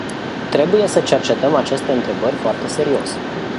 Trebuie să cercetăm aceste întrebări foarte serios.